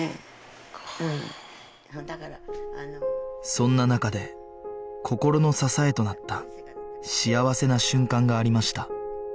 そんな中で心の支えとなった幸せな瞬間がありました